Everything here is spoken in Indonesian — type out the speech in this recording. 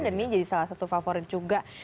dan ini jadi salah satu favorit juga